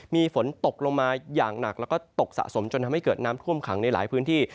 มีฝนตกลงมาอย่างหนักแล้วก็ตกสะสมจนทำให้เกิดน้ำท่วมขังในหลายพื้นที่